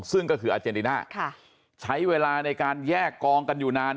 ซึ่งก็คืออาเจนติน่าใช้เวลาในการแยกกองกันอยู่นาน